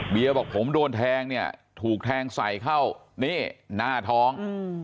บอกผมโดนแทงเนี่ยถูกแทงใส่เข้านี่หน้าท้อง